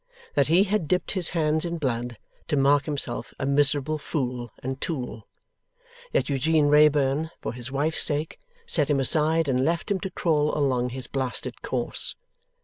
That he had dipped his hands in blood, to mark himself a miserable fool and tool. That Eugene Wrayburn, for his wife's sake, set him aside and left him to crawl along his blasted course.